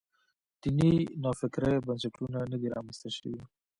دیني نوفکرۍ بنسټونه نه دي رامنځته شوي.